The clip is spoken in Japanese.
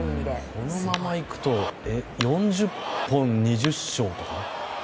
このままいくと４０本２０勝。